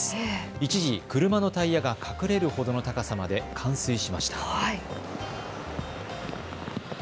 一時車のタイヤが隠れるほどの高さまで冠水しました。